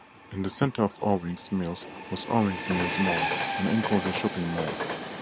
In the center of Owings Mills was Owings Mills Mall, an enclosed shopping mall.